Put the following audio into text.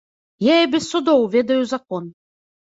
Я і без судоў ведаю закон.